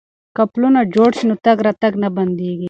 که پلونه جوړ شي نو تګ راتګ نه بندیږي.